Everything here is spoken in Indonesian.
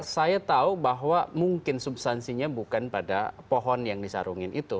saya tahu bahwa mungkin substansinya bukan pada pohon yang disarungin itu